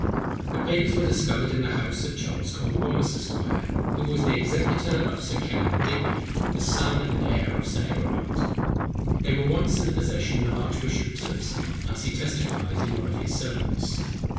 The papers were discovered in the house of Charles Cornwallis, Esq., who was the executor of Sir Kenelm Digby, the son and heir of Sir Everard. They were once in the possession of Archbishop Tillotson, as he testifies in one of his sermons.